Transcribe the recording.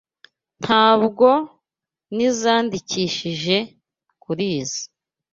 Ntabwo nizoandikishije kurizoi.